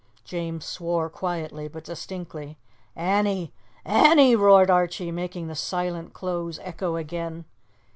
James swore quietly but distinctly. "Annie! Annie!" roared Archie, making the silent close echo again.